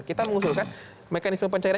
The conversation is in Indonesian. kita mengusulkan mekanisme pencairan